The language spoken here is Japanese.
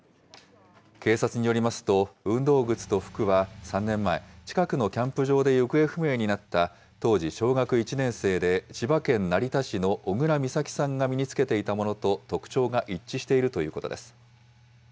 警察によりますと、運動靴と服は３年前、近くのキャンプ場で行方不明になった、当時小学１年生で千葉県成田市の小倉美咲さんが身に着けていたものと、特徴が一致しているということです。